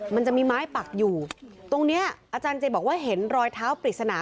มันจะมีไม้ปักอยู่ตรงเนี้ยอาจารย์เจบอกว่าเห็นรอยเท้าปริศนา